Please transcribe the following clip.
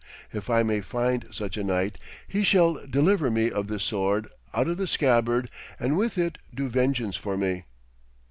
If I may find such a knight, he shall deliver me of this sword, out of the scabbard, and with it do vengeance for me.'